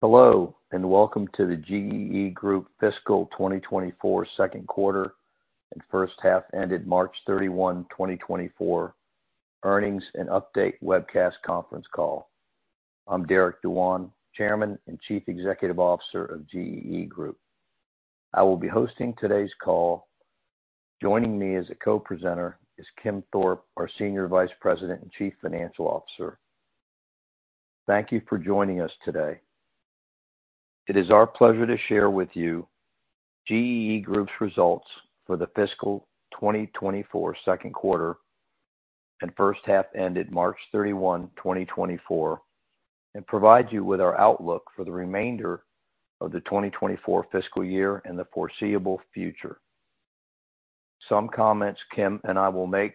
Hello, and welcome to the GEE Group Fiscal 2024 Second Quarter and First Half, Ended March 31, 2024, Earnings and Update Webcast Conference Call. I'm Derek Dewan, Chairman and Chief Executive Officer of GEE Group. I will be hosting today's call. Joining me as a co-presenter is Kim Thorpe, our Senior Vice President and Chief Financial Officer. Thank you for joining us today. It is our pleasure to share with you GEE Group's Results for The Fiscal 2024 Second Quarter and First Half, Ended March 31, 2024, and provide you with our outlook for the remainder of the 2024 fiscal year and the foreseeable future. Some comments Kim and I will make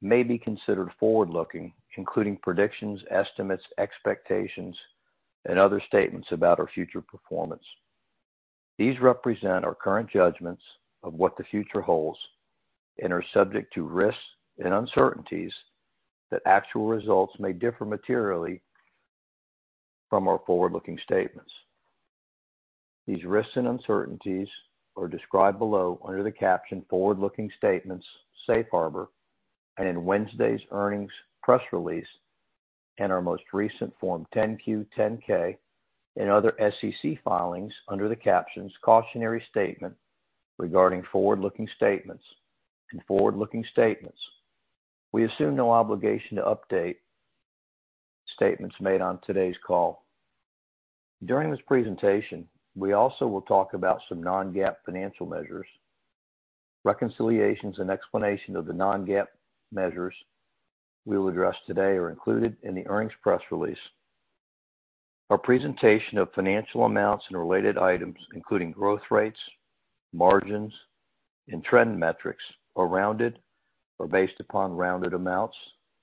may be considered forward-looking, including predictions, estimates, expectations, and other statements about our future performance. These represent our current judgments of what the future holds and are subject to risks and uncertainties that actual results may differ materially from our forward-looking statements. These risks and uncertainties are described below under the caption Forward-Looking Statements, Safe Harbor, and in Wednesday's earnings press release, and our most recent Form 10-Q, 10-K and other SEC filings under the captions: Cautionary Statement regarding forward-looking statements and forward-looking statements. We assume no obligation to update statements made on today's call. During this presentation, we also will talk about some non-GAAP financial measures. Reconciliations and explanation of the non-GAAP measures we will address today are included in the earnings press release. Our presentation of financial amounts and related items, including growth rates, margins, and trend metrics, are rounded or based upon rounded amounts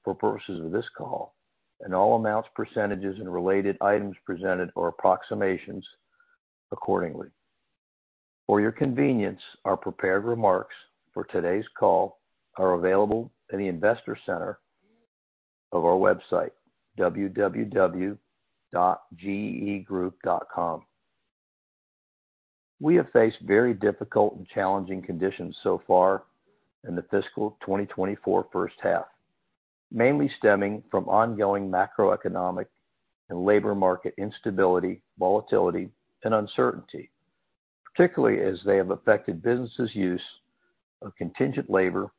for purposes of this call, and all amounts, %s, and related items presented are approximations accordingly. For your convenience, our prepared remarks for today's call are available in the investor center of our website, www.geegroup.com. We have faced very difficult and challenging conditions so far in the fiscal 2024 first half, mainly stemming from ongoing macroeconomic and labor market instability, volatility, and uncertainty, particularly as they have affected businesses' use of contingent labor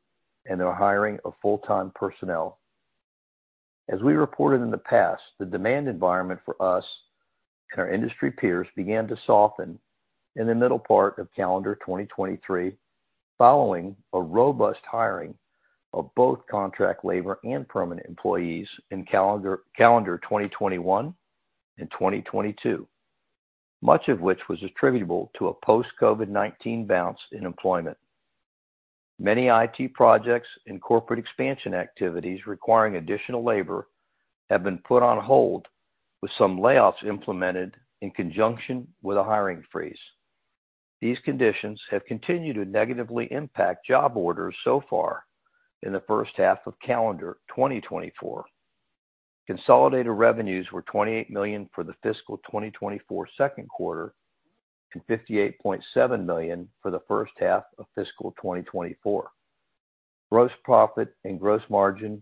and their hiring of full-time personnel. As we reported in the past, the demand environment for us and our industry peers began to soften in the middle part of calendar 2023, following a robust hiring of both contract labor and permanent employees in calendar 2021 and 2022, much of which was attributable to a post-COVID-19 bounce in employment. Many IT projects and corporate expansion activities requiring additional labor have been put on hold, with some layoffs implemented in conjunction with a hiring freeze. These conditions have continued to negatively impact job orders so far in the first half of calendar 2024. Consolidated revenues were $28 million for the fiscal 2024 second quarter, and $58.7 million for the first half of fiscal 2024. Gross profit and gross margin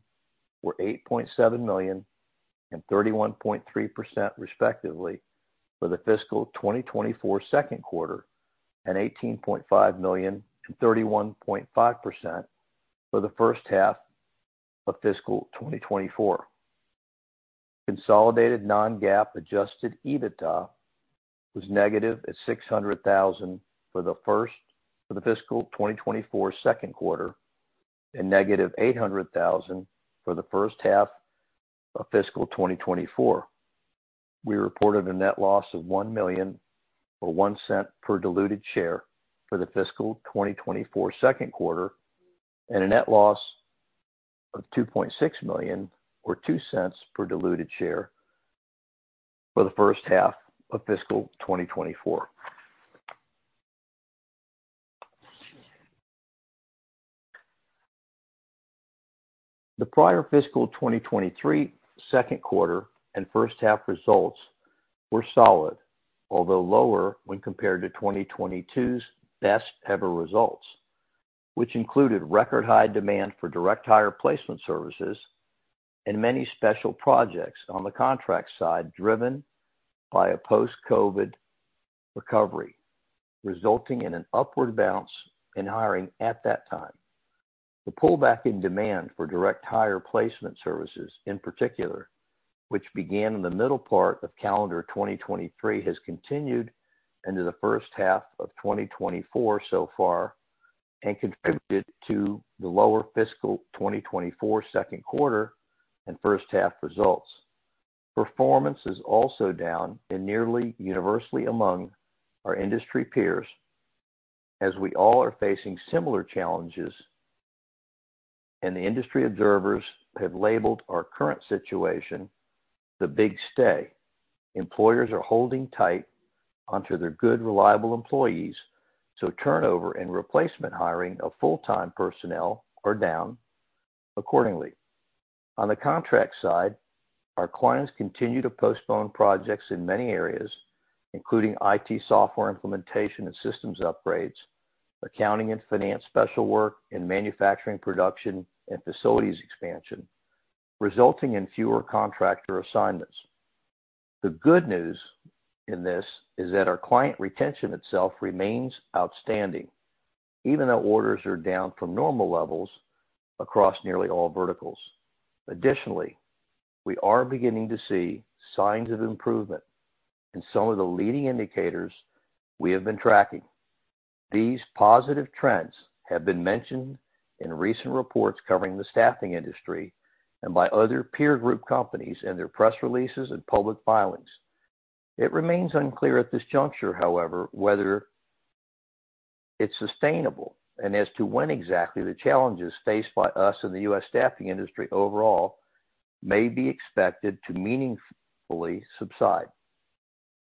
were $8.7 million and 31.3%, respectively, for the fiscal 2024 second quarter, and $18.5 million and 31.5% for the first half of fiscal 2024. Consolidated non-GAAP adjusted EBITDA was -ve $600,000 for the fiscal 2024 second quarter, and -ve $800,000 for the first half of fiscal 2024. We reported a net loss of $1 million or $0.01 per diluted share for the fiscal 2024 second quarter, and a net loss of $2.6 million or $0.02 per diluted share for the first half of fiscal 2024. The prior fiscal 2023 second quarter and first half results were solid, although lower when compared to 2022's best ever results, which included record high demand for direct hire placement services and many special projects on the contract side, driven by a post-COVID recovery, resulting in an upward bounce in hiring at that time. The pullback in demand for direct hire placement services, in particular, which began in the middle part of calendar 2023, has continued into the first half of 2024 so far and contributed to the lower fiscal 2024 second quarter and first half results. Performance is also down and nearly universally among our industry peers as we all are facing similar challenges, and the industry observers have labeled our current situation The Big Stay. Employers are holding tight onto their good, reliable employees, so turnover and replacement hiring of full-time personnel are down. Accordingly. On the contract side, our clients continue to postpone projects in many areas, including IT software implementation and systems upgrades, accounting and finance special work, and manufacturing production and facilities expansion, resulting in fewer contractor assignments. The good news in this is that our client retention itself remains outstanding, even though orders are down from normal levels across nearly all verticals. Additionally, we are beginning to see signs of improvement in some of the leading indicators we have been tracking. These positive trends have been mentioned in recent reports covering the staffing industry and by other peer group companies in their press releases and public filings. It remains unclear at this juncture, however, whether it's sustainable and as to when exactly the challenges faced by us and the U.S. staffing industry overall may be expected to meaningfully subside.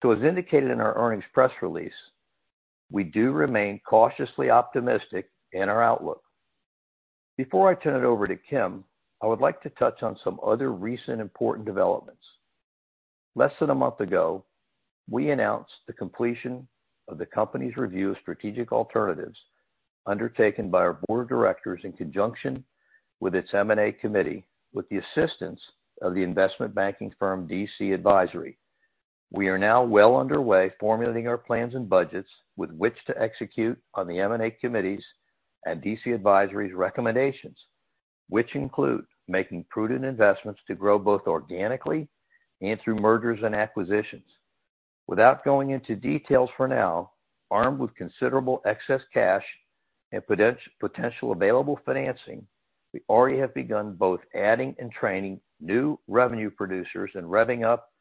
As indicated in our earnings press release, we do remain cautiously optimistic in our outlook. Before I turn it over to Kim, I would like to touch on some other recent important developments. Less than a month ago, we announced the completion of the company's review of strategic alternatives undertaken by our board of directors in conjunction with its M&A committee, with the assistance of the investment banking firm DC Advisory. We are now well underway formulating our plans and budgets with which to execute on the M&A Committee's and DC Advisory's recommendations, which include making prudent investments to grow both organically and through mergers and acquisitions. Without going into details for now, armed with considerable excess cash and potential available financing, we already have begun both adding and training new revenue producers and revving up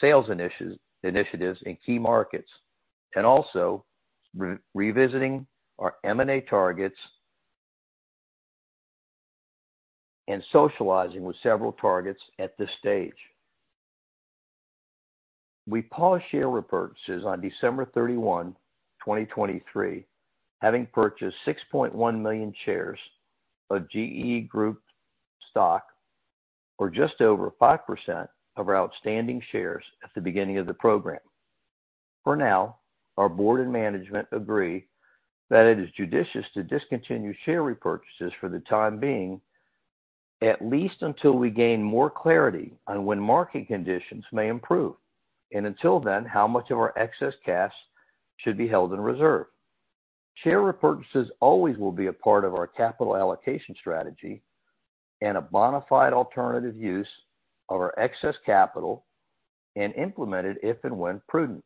sales initiatives in key markets, and also revisiting our M&A targets and socializing with several targets at this stage. We paused share repurchases on December 31, 2023, having purchased 6.1 million shares of GEE Group stock, or just over 5% of our outstanding shares at the beginning of the program. For now, our board and management agree that it is judicious to discontinue share repurchases for the time being, at least until we gain more clarity on when market conditions may improve, and until then, how much of our excess cash should be held in reserve. Share repurchases always will be a part of our capital allocation strategy and a bona fide alternative use of our excess capital and implemented if and when prudent.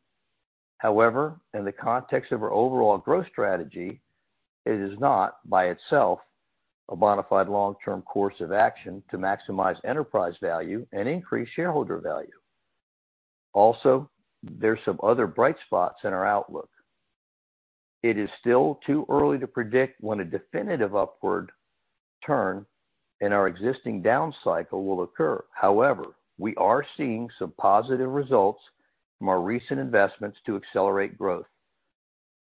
However, in the context of our overall growth strategy, it is not, by itself, a bona fide long-term course of action to maximize enterprise value and increase shareholder value. Also, there's some other bright spots in our outlook. It is still too early to predict when a definitive upward turn in our existing down cycle will occur. However, we are seeing some positive results from our recent investments to accelerate growth.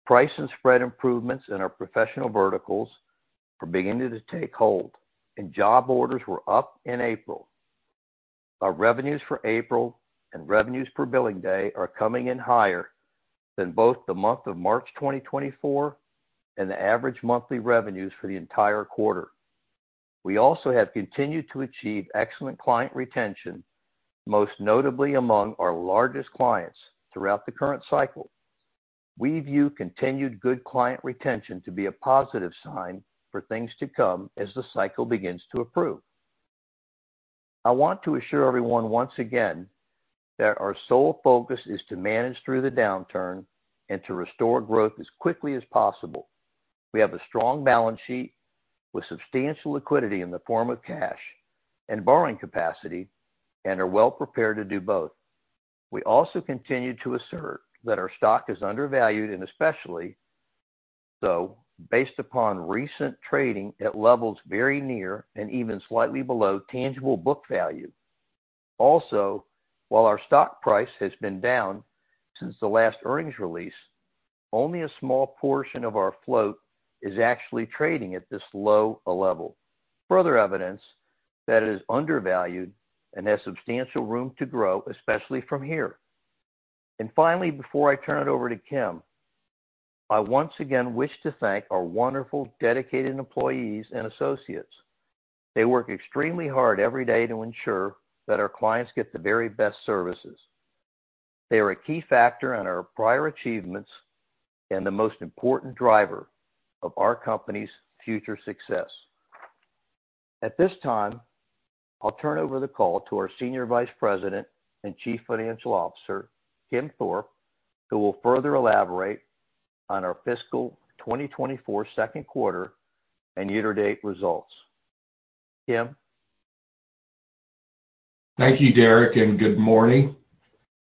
Price and spread improvements in our professional verticals are beginning to take hold, and job orders were up in April. Our revenues for April and revenues per billing day are coming in higher than both the month of March 2024 and the average monthly revenues for the entire quarter. We also have continued to achieve excellent client retention, most notably among our largest clients throughout the current cycle. We view continued good client retention to be a positive sign for things to come as the cycle begins to improve. I want to assure everyone once again that our sole focus is to manage through the downturn and to restore growth as quickly as possible. We have a strong balance sheet with substantial liquidity in the form of cash and borrowing capacity and are well prepared to do both. We also continue to assert that our stock is undervalued, and especially so based upon recent trading at levels very near and even slightly below tangible book value. Also, while our stock price has been down since the last earnings release, only a small portion of our float is actually trading at this low a level. Further evidence that it is undervalued and has substantial room to grow, especially from here. Finally, before I turn it over to Kim, I once again wish to thank our wonderful, dedicated employees and associates. They work extremely hard every day to ensure that our clients get the very best services. They are a key factor in our prior achievements and the most important driver of our company's future success. At this time, I'll turn over the call to our Senior Vice President and Chief Financial Officer, Kim Thorpe, who will further elaborate on our fiscal 2024 second quarter and year-to-date results. Kim? Thank you, Derek, and good morning.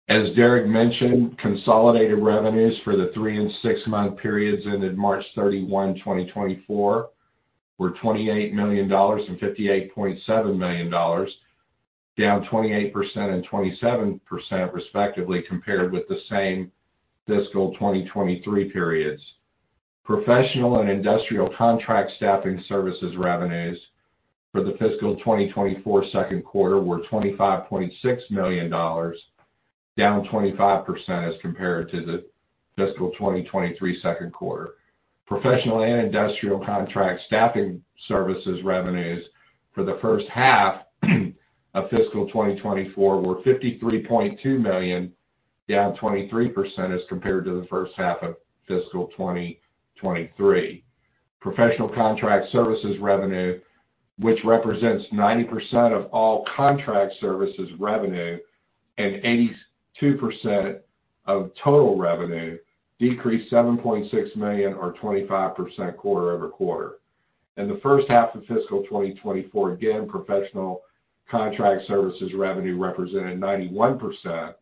As Derek mentioned, consolidated revenues for the three- and six-month periods ended March 31, 2024, were $28 million and $58.7 million, down 28% and 27% respectively, compared with the same fiscal 2023 periods. Professional and industrial contract staffing services revenues for the fiscal 2024 second quarter were $25.6 million, down 25% as compared to the fiscal 2023 second quarter. Professional and industrial contract staffing services revenues for the first half of fiscal 2024 were $53.2 million, down 23% as compared to the first half of fiscal 2023. Professional contract services revenue, which represents 90% of all contract services revenue and 82% of total revenue, decreased $7.6 million or 25% quarter-over-quarter. In the first half of fiscal 2024, again, professional contract services revenue represented 91%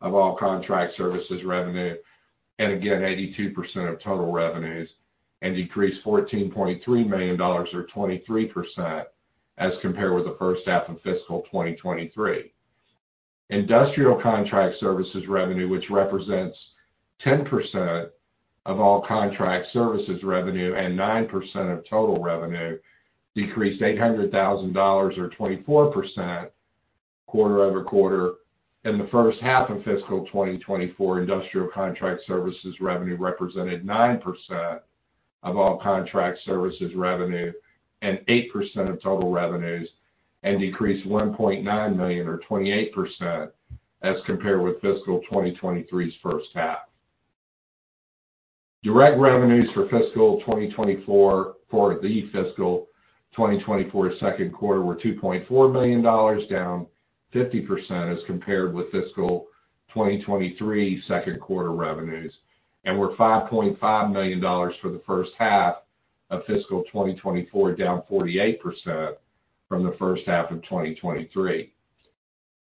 of all contract services revenue, and again, 82% of total revenues, and decreased $14.3 million or 23% as compared with the first half of fiscal 2023. Industrial contract services revenue, which represents 10% of all contract services revenue and 9% of total revenue, decreased $800,000 or 24% quarter-over-quarter. In the first half of fiscal 2024, industrial contract services revenue represented 9% of all contract services revenue and 8% of total revenues, and decreased $1.9 million or 28% as compared with fiscal 2023's first half. Direct revenues for fiscal 2024, for the fiscal 2024 second quarter were $2.4 million, down 50% as compared with fiscal 2023 second quarter revenues, and were $5.5 million for the first half of fiscal 2024, down 48% from the first half of 2023.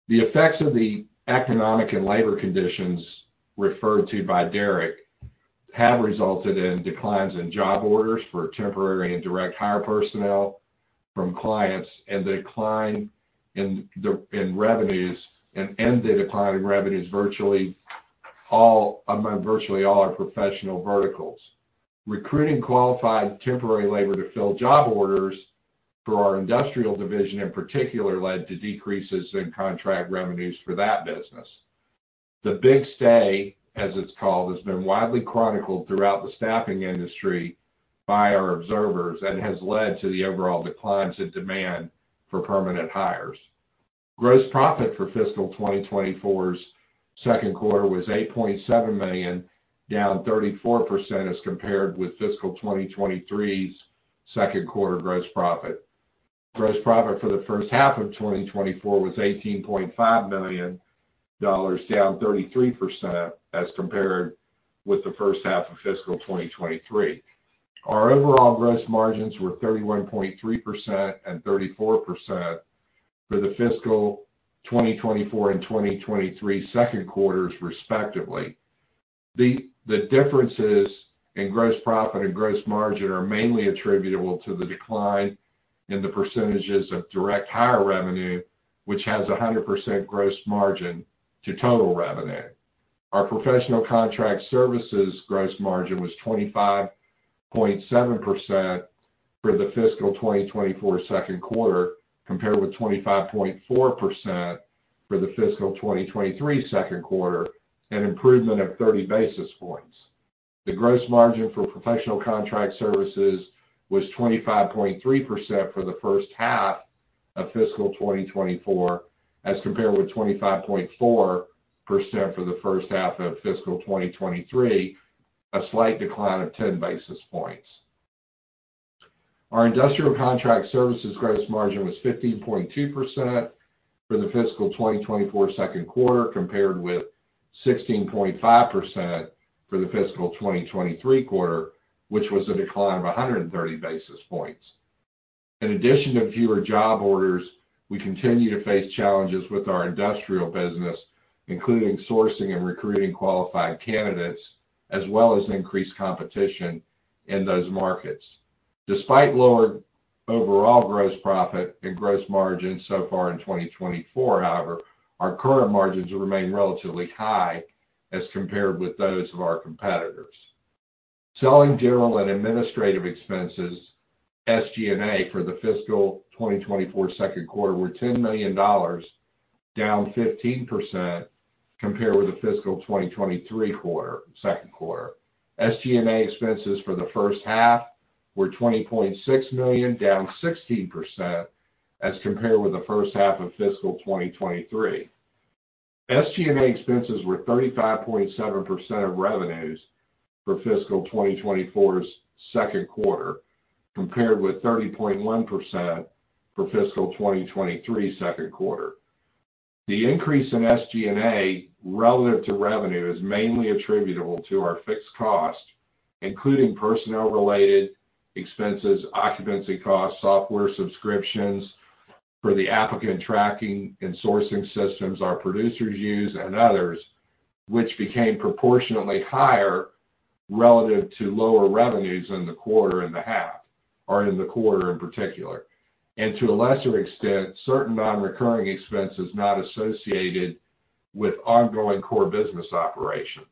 The effects of the economic and labor conditions referred to by Derek have resulted in declines in job orders for temporary and direct hire personnel from clients, and the decline in revenues and in declining revenues among virtually all our professional verticals. Recruiting qualified temporary labor to fill job orders for our industrial division, in particular, led to decreases in contract revenues for that business. The Big Stay, as it's called, has been widely chronicled throughout the staffing industry by our observers and has led to the overall declines in demand for permanent hires. Gross profit for fiscal 2024's second quarter was $8.7 million, down 34% as compared with fiscal 2023's second quarter gross profit. Gross profit for the first half of 2024 was $18.5 million, down 33% as compared with the first half of fiscal 2023. Our overall gross margins were 31.3% and 34% for the fiscal 2024 and 2023 second quarters, respectively. The differences in gross profit and gross margin are mainly attributable to the decline in the %s of direct hire revenue, which has a 100% gross margin to total revenue. Our professional contract services gross margin was 25.7% for the fiscal 2024 second quarter, compared with 25.4% for the fiscal 2023 second quarter, an improvement of 30 basis points. The gross margin for professional contract services was 25.3% for the first half of fiscal 2024, as compared with 25.4% for the first half of fiscal 2023, a slight decline of 10 basis points. Our industrial contract services gross margin was 15.2% for the fiscal 2024 second quarter, compared with 16.5% for the fiscal 2023 quarter, which was a decline of 130 basis points. In addition to fewer job orders, we continue to face challenges with our industrial business, including sourcing and recruiting qualified candidates, as well as increased competition in those markets. Despite lower overall gross profit and gross margins so far in 2024, however, our current margins remain relatively high as compared with those of our competitors. Selling, general, and administrative expenses, SG&A, for the fiscal 2024 second quarter were $10 million, down 15% compared with the fiscal 2023 second quarter. SG&A expenses for the first half were $20.6 million, down 16% as compared with the first half of fiscal 2023. SG&A expenses were 35.7% of revenues for fiscal 2024's second quarter, compared with 30.1% for fiscal 2023 second quarter. The increase in SG&A relative to revenue is mainly attributable to our fixed costs, including personnel-related expenses, occupancy costs, software subscriptions for the applicant tracking and sourcing systems our producers use, and others, which became proportionately higher relative to lower revenues in the quarter and the half, or in the quarter in particular. And to a lesser extent, certain non-recurring expenses not associated with ongoing core business operations.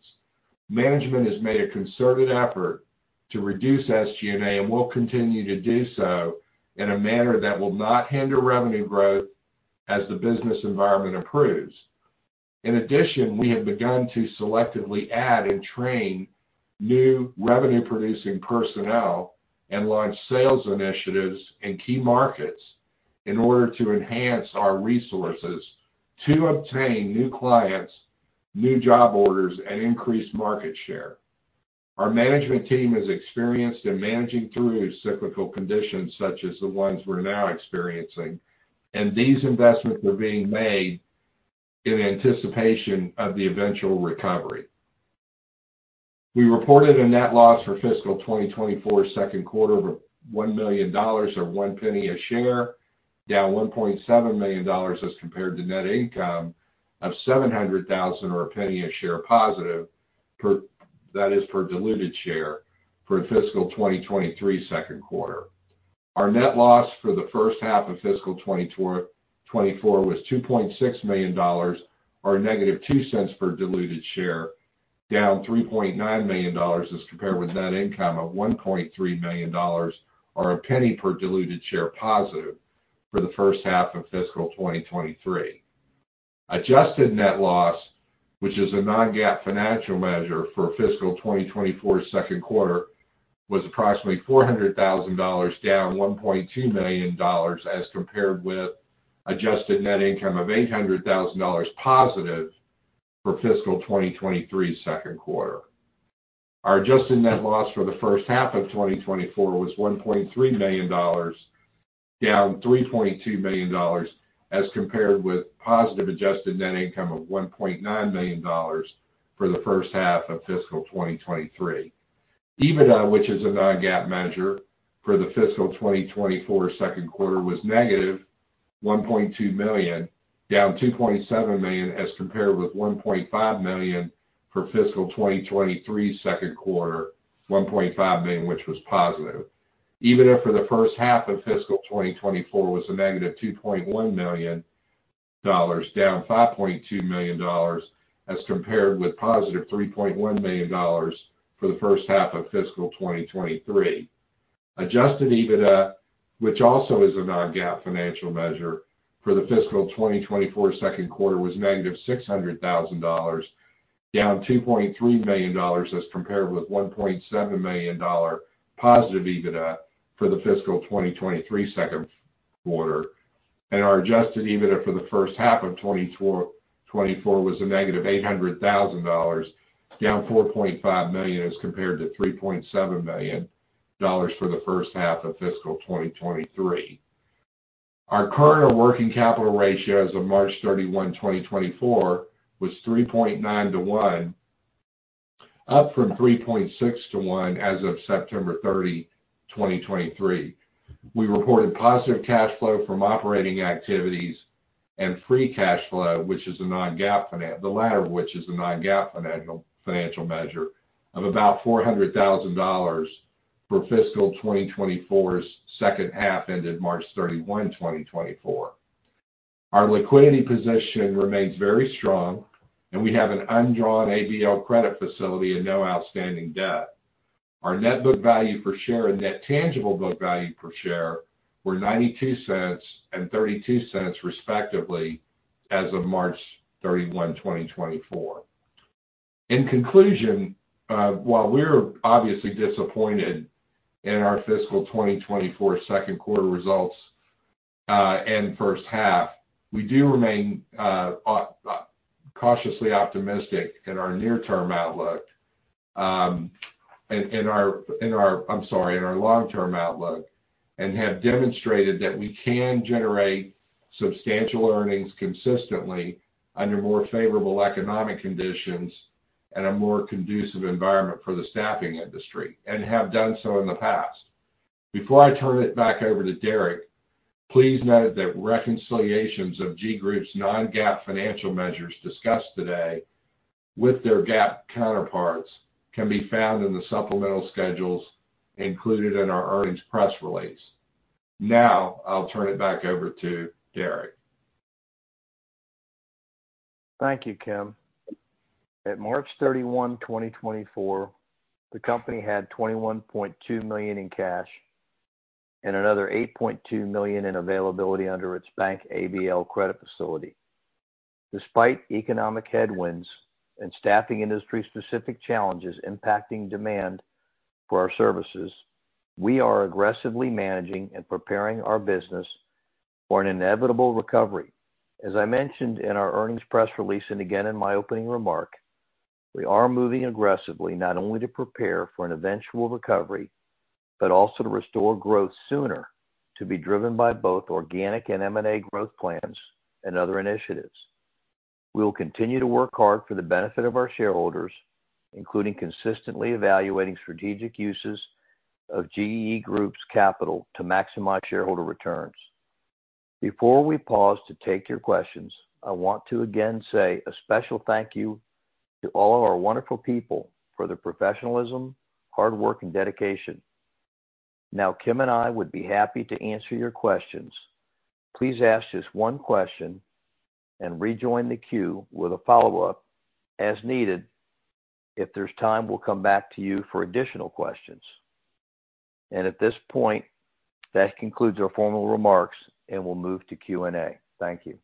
Management has made a concerted effort to reduce SG&A, and will continue to do so in a manner that will not hinder revenue growth as the business environment improves. In addition, we have begun to selectively add and train new revenue-producing personnel and launch sales initiatives in key markets in order to enhance our resources to obtain new clients, new job orders, and increase market share. Our management team is experienced in managing through cyclical conditions such as the ones we're now experiencing, and these investments are being made in anticipation of the eventual recovery. We reported a net loss for fiscal 2024 second quarter of $1 million, or $0.01 per share, down $1.7 million as compared to net income of $700,000, or $0.01 per share positive, that is, per diluted share for the fiscal 2023 second quarter. Our net loss for the first half of fiscal 2024 was $2.6 million, or -$0.02 per diluted share, down $3.9 million as compared with net income of $1.3 million, or $0.01 per diluted share positive for the first half of fiscal 2023. Adjusted net loss, which is a non-GAAP financial measure for fiscal 2024's second quarter, was approximately $400,000, down $1.2 million, as compared with adjusted net income of $800,000 positive for fiscal 2023's second quarter. Our adjusted net loss for the first half of 2024 was $1.3 million, down $3.2 million, as compared with positive adjusted net income of $1.9 million for the first half of fiscal 2023. EBITDA, which is a non-GAAP measure for the fiscal 2024 second quarter, was -ve $1.2 million, down $2.7 million, as compared with $1.5 million for fiscal 2023 second quarter, $1.5 million, which was positive. EBITDA for the first half of fiscal 2024 was -ve $2.1 million, down $5.2 million, as compared with positive $3.1 million for the first half of fiscal 2023. Adjusted EBITDA, which also is a non-GAAP financial measure for the fiscal 2024 second quarter, was -ve $600,000, down $2.3 million, as compared with $1.7 million positive EBITDA for the fiscal 2023 second quarter. And our adjusted EBITDA for the first half of 2024 was -ve $800,000, down $4.5 million, as compared to $3.7 million for the first half of fiscal 2023. Our current or working capital ratio as of March 31, 2024, was 3.9 to 1, up from 3.6 to 1 as of September 30, 2023. We reported positive cash flow from operating activities and free cash flow, the latter of which is a non-GAAP financial measure of about $400,000 for fiscal 2024's second half, ended March 31, 2024. Our liquidity position remains very strong, and we have an undrawn ABL credit facility and no outstanding debt. Our net book value per share and net tangible book value per share were $0.92 and $0.32, respectively, as of March 31, 2024. In conclusion, while we're obviously disappointed in our fiscal 2024 second quarter results, and first half, we do remain cautiously optimistic in our near-term outlook. I'm sorry, in our long-term outlook, and have demonstrated that we can generate substantial earnings consistently under more favorable economic conditions and a more conducive environment for the staffing industry, and have done so in the past. Before I turn it back over to Derek, please note that reconciliations of GEE Group's non-GAAP financial measures discussed today with their GAAP counterparts can be found in the supplemental schedules included in our earnings press release. Now, I'll turn it back over to Derek. Thank you, Kim. At March 31, 2024, the company had $21.2 million in cash and another $8.2 million in availability under its bank ABL credit facility. Despite economic headwinds and staffing industry-specific challenges impacting demand for our services, we are aggressively managing and preparing our business for an inevitable recovery. As I mentioned in our earnings press release, and again in my opening remark, we are moving aggressively not only to prepare for an eventual recovery, but also to restore growth sooner, to be driven by both organic and M&A growth plans and other initiatives. We will continue to work hard for the benefit of our shareholders, including consistently evaluating strategic uses of GEE Group's capital to maximize shareholder returns. Before we pause to take your questions, I want to again say a special thank you to all of our wonderful people for their professionalism, hard work, and dedication... Now, Kim and I would be happy to answer your questions. Please ask just one question and rejoin the queue with a follow-up as needed. If there's time, we'll come back to you for additional questions. At this point, that concludes our formal remarks, and we'll move to Q&A. Thank you.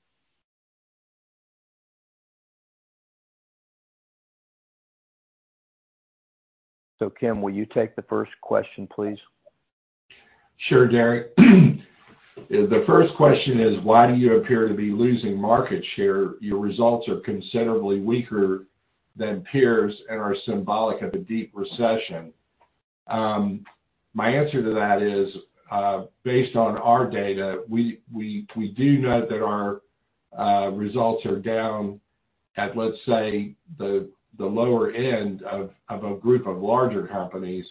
Kim, will you take the first question, please? Sure, Derek. The first question is: "Why do you appear to be losing market share? Your results are considerably weaker than peers and are symbolic of a deep recession." My answer to that is, based on our data, we do know that our results are down at, let's say, the lower end of a group of larger companies.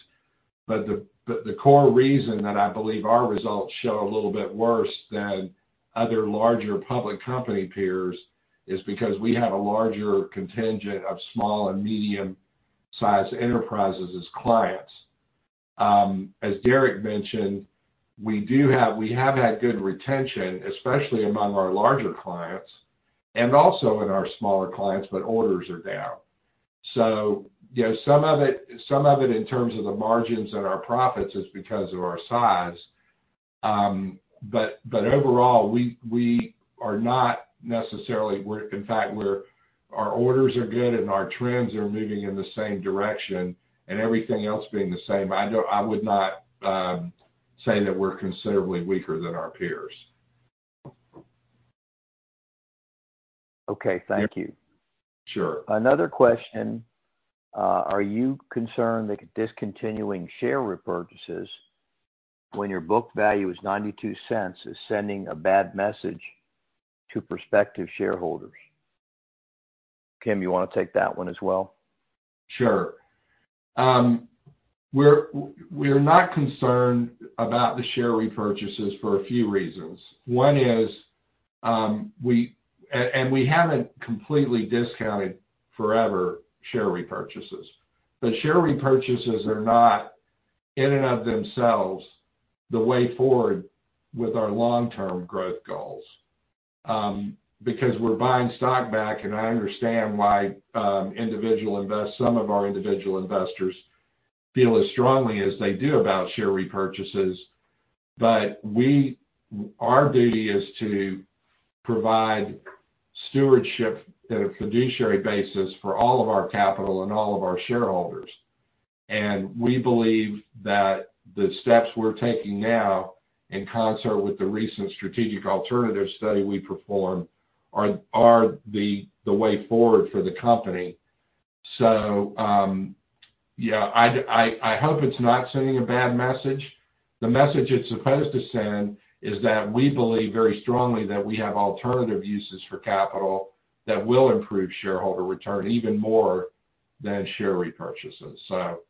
But the core reason that I believe our results show a little bit worse than other larger public company peers is because we have a larger contingent of small and medium-sized enterprises as clients. As Derek mentioned, we have had good retention, especially among our larger clients, and also in our smaller clients, but orders are down. So you know, some of it in terms of the margins and our profits is because of our size. But overall, we are not necessarily. In fact, our orders are good, and our trends are moving in the same direction, and everything else being the same. I would not say that we're considerably weaker than our peers. Okay, thank you. Sure. Another question: "Are you concerned that discontinuing share repurchases when your book value is $0.92, is sending a bad message to prospective shareholders?" Kim, you wanna take that one as well? Sure. We're not concerned about the share repurchases for a few reasons. One is, and we haven't completely discounted forever share repurchases. But share repurchases are not, in and of themselves, the way forward with our long-term growth goals. Because we're buying stock back, and I understand why some of our individual investors feel as strongly as they do about share repurchases, but our duty is to provide stewardship in a fiduciary basis for all of our capital and all of our shareholders. And we believe that the steps we're taking now, in concert with the recent strategic alternative study we performed, are the way forward for the company. So, yeah, I'd hope it's not sending a bad message. The message it's supposed to send is that we believe very strongly that we have alternative uses for capital that will improve shareholder return even more than share repurchases. So,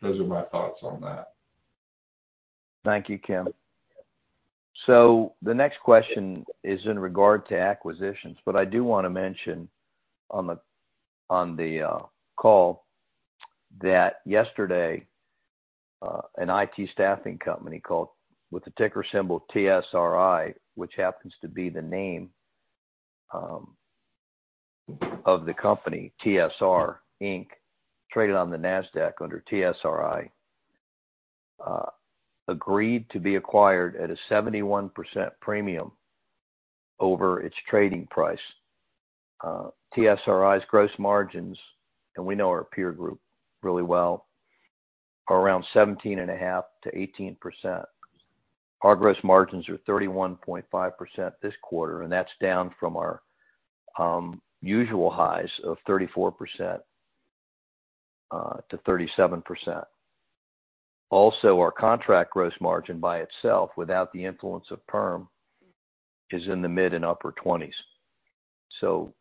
those are my thoughts on that. Thank you, Kim. So the next question is in regard to acquisitions, but I do wanna mention on the call, that yesterday an IT staffing company called... With the ticker symbol TSRI, which happens to be the name of the company, TSR, Inc., traded on the Nasdaq under TSRI, agreed to be acquired at a 71% premium over its trading price. TSRI's gross margins, and we know our peer group really well, are around 17.5%-18%. Our gross margins are 31.5% this quarter, and that's down from our usual highs of 34%-37%. Also, our contract gross margin by itself, without the influence of perm, is in the mid and upper 20s. So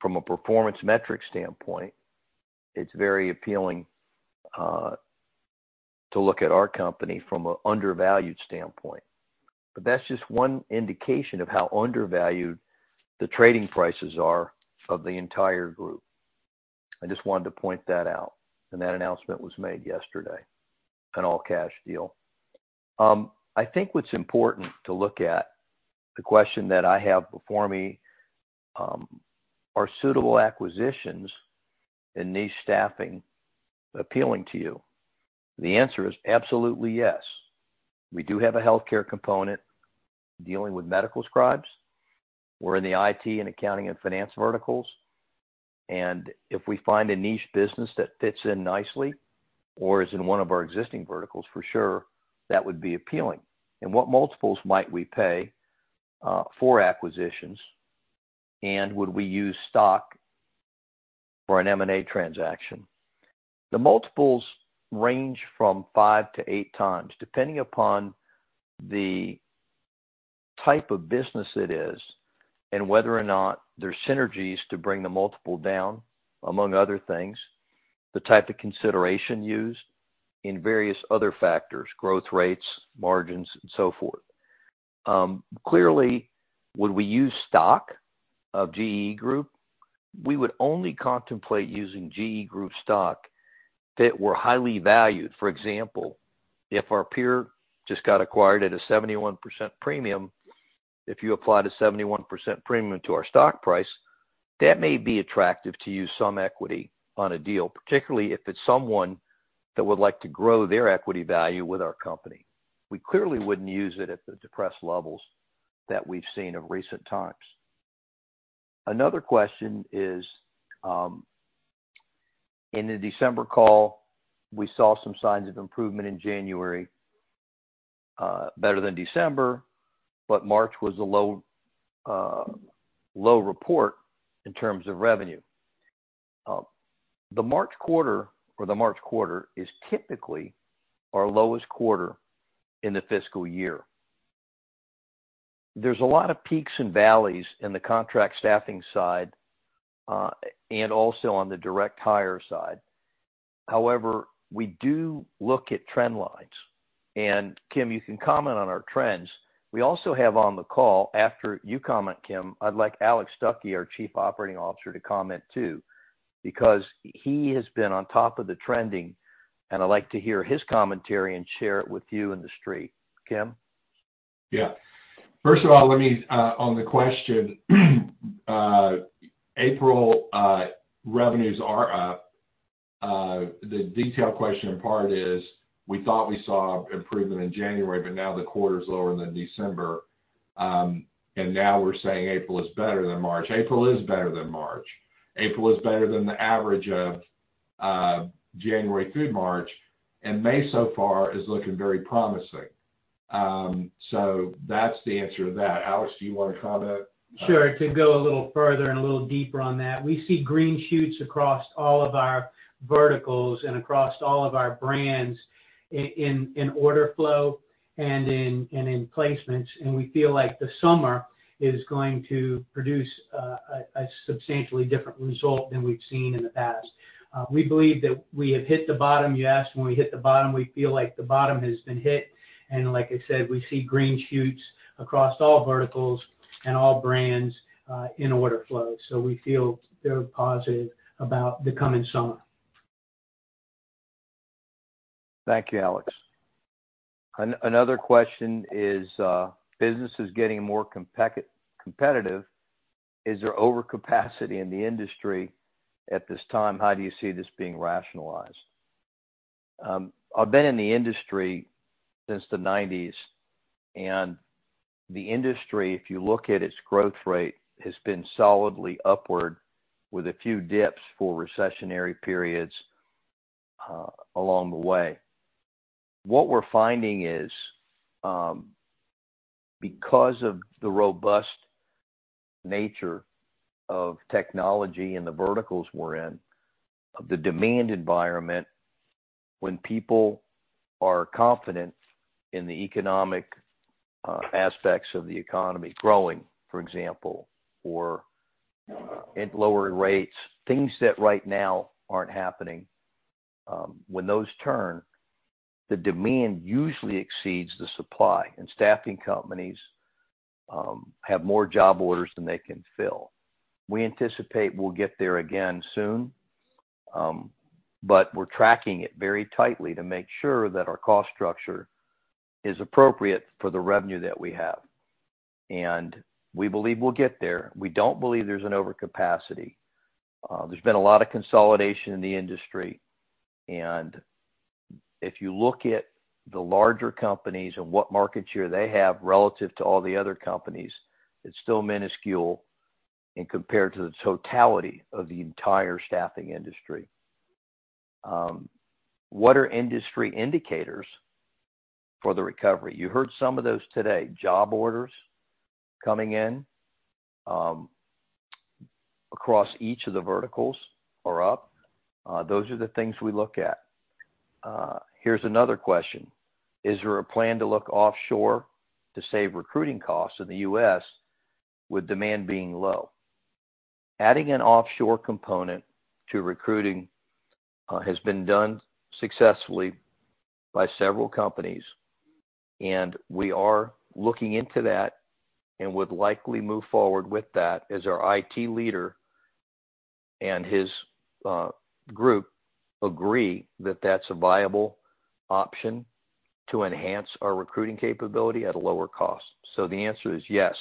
from a performance metric standpoint, it's very appealing to look at our company from an undervalued standpoint. But that's just one indication of how undervalued the trading prices are of the entire group. I just wanted to point that out, and that announcement was made yesterday, an all-cash deal. I think what's important to look at, the question that I have before me: "Are suitable acquisitions in niche staffing appealing to you?" The answer is absolutely yes. We do have a healthcare component dealing with medical scribes. We're in the IT and accounting and finance verticals, and if we find a niche business that fits in nicely or is in one of our existing verticals, for sure, that would be appealing. And what multiples might we pay for acquisitions, and would we use stock for an M&A transaction? The multiples range from five to eight times, depending upon the type of business it is, and whether or not there's synergies to bring the multiple down, among other things, the type of consideration used in various other factors, growth rates, margins, and so forth. Clearly, would we use stock of GEE Group? We would only contemplate using GEE Group stock if it were highly valued. For example, if our peer just got acquired at a 71% premium, if you apply the 71% premium to our stock price, that may be attractive to use some equity on a deal, particularly if it's someone that would like to grow their equity value with our company. We clearly wouldn't use it at the depressed levels that we've seen in recent times. Another question is, in the December call, we saw some signs of improvement in January, better than December, but March was a low, low report in terms of revenue. The March quarter, or the March quarter is typically our lowest quarter in the fiscal year. There's a lot of peaks and valleys in the contract staffing side, and also on the direct hire side. However, we do look at trend lines, and Kim, you can comment on our trends. We also have on the call, after you comment, Kim, I'd like Alex Stuckey, our Chief Operating Officer, to comment, too, because he has been on top of the trending, and I'd like to hear his commentary and share it with you in the street. Kim? Yeah. First of all, let me on the question, April revenues are up. The detailed question in part is, we thought we saw improvement in January, but now the quarter's lower than December. And now we're saying April is better than March. April is better than March. April is better than the average of January through March, and May so far is looking very promising. So that's the answer to that. Alex, do you want to comment? Sure. To go a little further and a little deeper on that, we see green shoots across all of our verticals and across all of our brands in order flow and in placements. And we feel like the summer is going to produce a substantially different result than we've seen in the past. We believe that we have hit the bottom. You asked when we hit the bottom, we feel like the bottom has been hit, and like I said, we see green shoots across all verticals and all brands in order flow. So we feel very positive about the coming summer. Thank you, Alex. Another question is, business is getting more competitive. Is there overcapacity in the industry at this time? How do you see this being rationalized? I've been in the industry since the 1990s, and the industry, if you look at its growth rate, has been solidly upward with a few dips for recessionary periods along the way. What we're finding is, because of the robust nature of technology and the verticals we're in, of the demand environment, when people are confident in the economic aspects of the economy growing, for example, or at lower rates, things that right now aren't happening, when those turn, the demand usually exceeds the supply, and staffing companies have more job orders than they can fill. We anticipate we'll get there again soon, but we're tracking it very tightly to make sure that our cost structure is appropriate for the revenue that we have. We believe we'll get there. We don't believe there's an overcapacity. There's been a lot of consolidation in the industry, and if you look at the larger companies and what market share they have relative to all the other companies, it's still minuscule and compared to the totality of the entire staffing industry. What are industry indicators for the recovery? You heard some of those today. Job orders coming in, across each of the verticals are up. Here's another question: Is there a plan to look offshore to save recruiting costs in the U.S. with demand being low? Adding an offshore component to recruiting has been done successfully by several companies, and we are looking into that and would likely move forward with that as our IT leader and his group agree that that's a viable option to enhance our recruiting capability at a lower cost. So the answer is yes.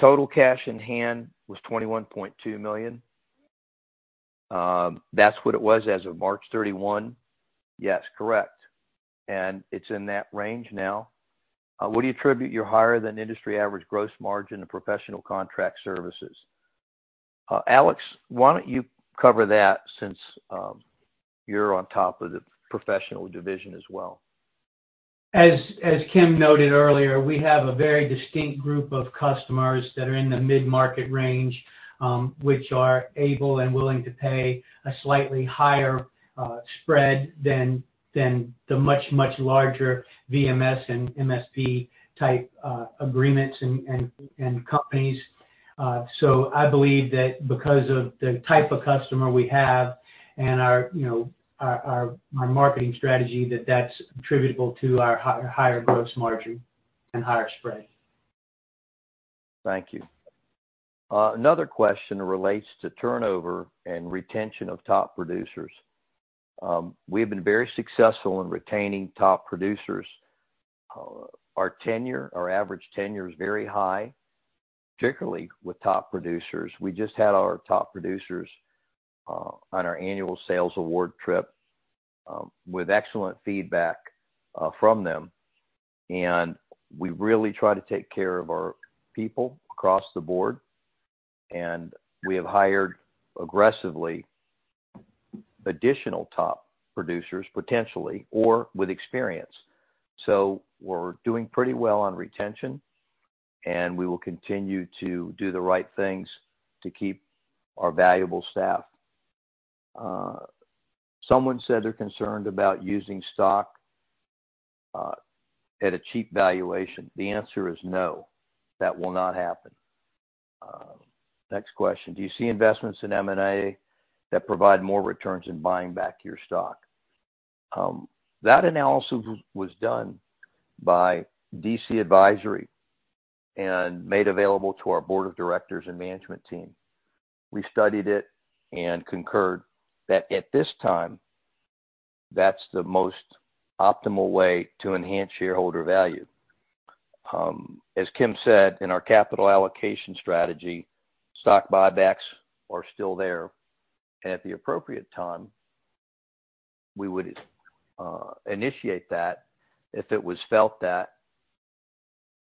Total cash in hand was $21.2 million. That's what it was as of March 31. Yes, correct. It's in that range now. What do you attribute your higher-than-industry average gross margin to professional contract services? Alex, why don't you cover that since you're on top of the professional division as well? As Kim noted earlier, we have a very distinct group of customers that are in the mid-market range, which are able and willing to pay a slightly higher spread than the much, much larger VMS and MSP-type agreements and companies. So I believe that because of the type of customer we have and our, you know, our marketing strategy, that that's attributable to our higher, higher gross margin and higher spread. Thank you. Another question relates to turnover and retention of top producers. We have been very successful in retaining top producers. Our tenure, our average tenure is very high, particularly with top producers. We just had our top producers on our annual sales award trip, with excellent feedback from them, and we really try to take care of our people across the board. We have hired aggressively, additional top producers, potentially, or with experience. So we're doing pretty well on retention, and we will continue to do the right things to keep our valuable staff. Someone said they're concerned about using stock at a cheap valuation. The answer is no, that will not happen. Next question: Do you see investments in M&A that provide more returns in buying back your stock? That analysis was done by DC Advisory and made available to our board of directors and management team. We studied it and concurred that at this time, that's the most optimal way to enhance shareholder value. As Kim said, in our capital allocation strategy, stock buybacks are still there. At the appropriate time, we would initiate that if it was felt that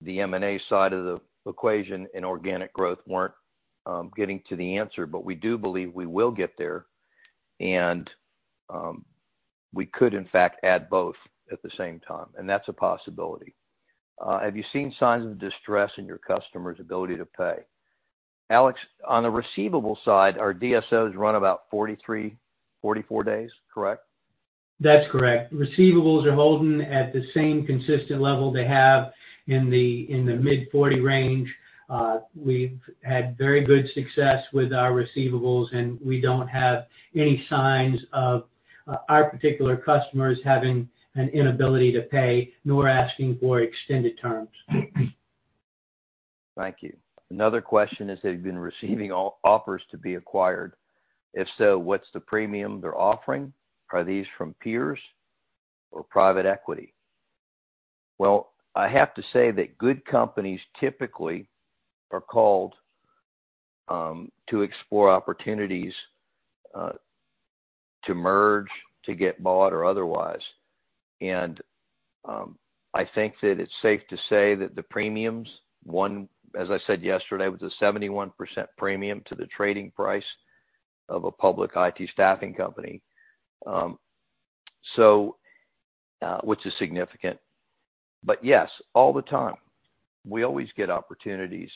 the M&A side of the equation and organic growth weren't getting to the answer, but we do believe we will get there, and we could in fact add both at the same time, and that's a possibility. Have you seen signs of distress in your customers' ability to pay? Alex, on the receivable side, our DSOs run about 43-44 days, correct? That's correct. Receivables are holding at the same consistent level they have in the mid-40 range. We've had very good success with our receivables, and we don't have any signs of our particular customers having an inability to pay, nor asking for extended terms. Thank you. Another question is: Have you been receiving offers to be acquired? If so, what's the premium they're offering? Are these from peers or private equity? Well, I have to say that good companies typically are called to explore opportunities to merge, to get bought, or otherwise. I think that it's safe to say that the premiums, one, as I said yesterday, was a 71% premium to the trading price of a public IT staffing company, so which is significant. But yes, all the time, we always get opportunities,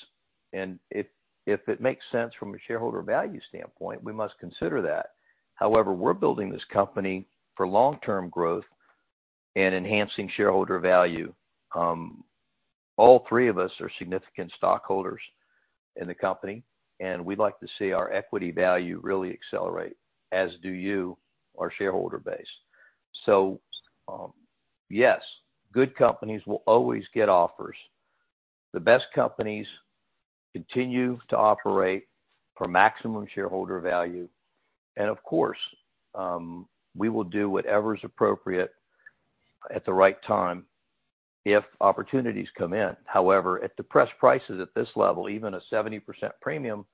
and if it makes sense from a shareholder value standpoint, we must consider that. However, we're building this company for long-term growth and enhancing shareholder value. All three of us are significant stockholders in the company, and we'd like to see our equity value really accelerate, as do you, our shareholder base. So, yes, good companies will always get offers. The best companies continue to operate for maximum shareholder value, and of course, we will do whatever is appropriate at the right time if opportunities come in. However, at depressed prices at this level, even a 70% premium,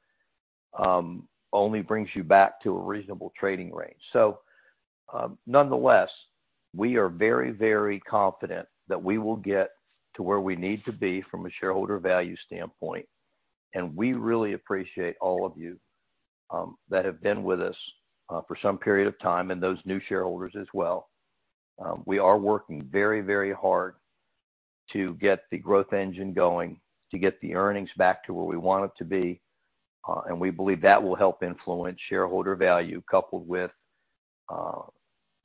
only brings you back to a reasonable trading range. So, nonetheless, we are very, very confident that we will get to where we need to be from a shareholder value standpoint, and we really appreciate all of you, that have been with us, for some period of time and those new shareholders as well. We are working very, very hard to get the growth engine going, to get the earnings back to where we want it to be, and we believe that will help influence shareholder value, coupled with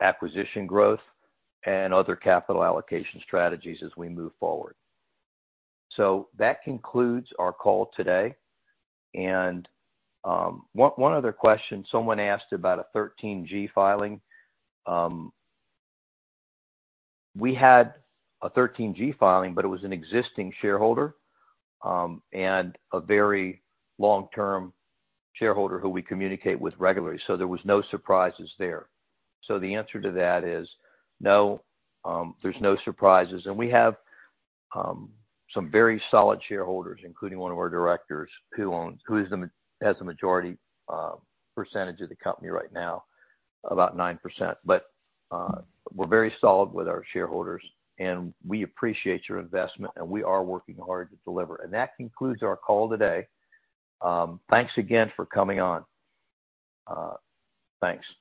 acquisition growth and other capital allocation strategies as we move forward. So that concludes our call today. One other question. Someone asked about a 13G filing. We had a 13G filing, but it was an existing shareholder, and a very long-term shareholder who we communicate with regularly, so there was no surprises there. So the answer to that is, no, there's no surprises. And we have some very solid shareholders, including one of our directors, who has the majority % of the company right now, about 9%. But, we're very solid with our shareholders, and we appreciate your investment, and we are working hard to deliver. That concludes our call today. Thanks again for coming on. Thanks.